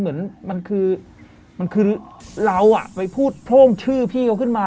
มันคือเราไปพูดโพร่งชื่อของเค้าขึ้นมา